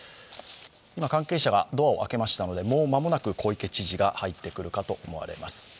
今、関係者がドアを開けましたのでもうまもなくで小池知事が入ってくると思われます。